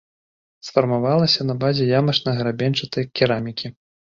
Сфармавалася на базе ямачна-грабеньчатай керамікі.